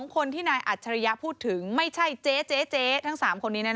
คนที่นายอัจฉริยะพูดถึงไม่ใช่เจ๊ทั้ง๓คนนี้